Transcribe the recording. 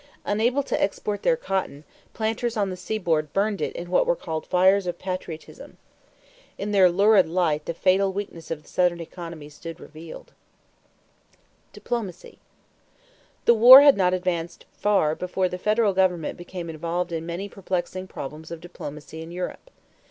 Unable to export their cotton, planters on the seaboard burned it in what were called "fires of patriotism." In their lurid light the fatal weakness of Southern economy stood revealed. [Illustration: A BLOCKADE RUNNER] =Diplomacy.= The war had not advanced far before the federal government became involved in many perplexing problems of diplomacy in Europe.